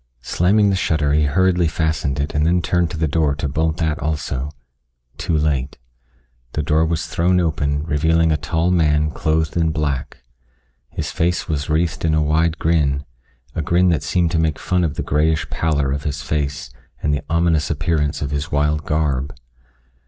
Slamming the shutter he hurriedly fastened it and then turned to the door to bolt that also. Too late. The door was thrown open revealing a tall man clothed in black. His face was wreathed in a wide grin a grin that seemed to make fun of the grayish pallor of his face and the ominous appearance of his wild garb.